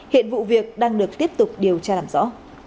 hiện vụ việc đang được tiếp tục điều tra làm rõ